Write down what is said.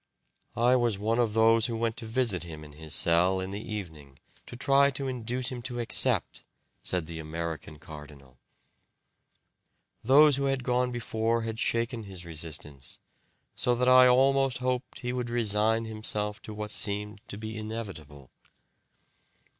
"I was one of those who went to visit him in his cell in the evening, to try to induce him to accept," said the American cardinal. "Those who had gone before had shaken his resistance, so that I almost hoped he would resign himself to what seemed to be inevitable."